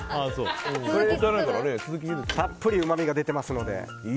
たっぷりうまみが出てますので。